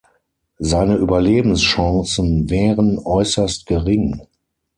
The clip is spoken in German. Seine Überlebenschancen wären äußerst gering.